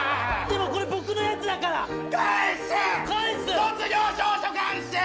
でもこれ僕のやつだから。返して。